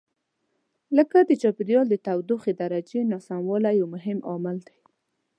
لکه د چاپېریال د تودوخې درجې ناسموالی یو مهم عامل دی.